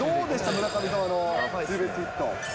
村神様のツーベースヒット。